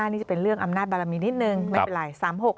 นี่จะเป็นเรื่องอำนาจบารมีนิดนึงไม่เป็นไร